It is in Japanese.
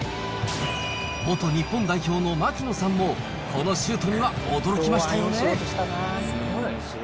元日本代表の槙野さんも、このシュートには驚きましたよね。